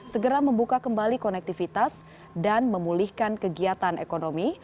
segera membuka kembali konektivitas dan memulihkan kegiatan ekonomi